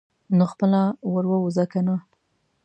نو خپله ور ووځه کنه.